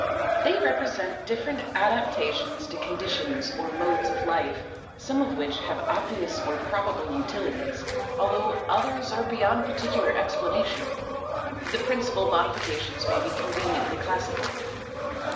They represent different adaptations to conditions or modes of life, some of which have obvious or probable utilities, although others are beyond particular explanation. The principal modifications may be conveniently classified.